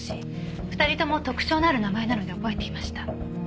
２人とも特徴のある名前なので覚えていました。